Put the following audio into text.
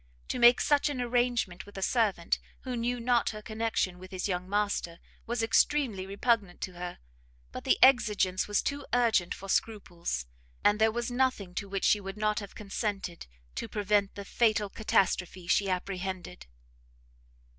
To make such an arrangement with a servant who knew not her connection with his young master, was extremely repugnant to her; but the exigence was too urgent for scruples, and there was nothing to which she would not have consented, to prevent the fatal catastrophe she apprehended.